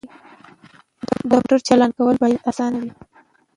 د موټر چالان کول باید اسانه وي.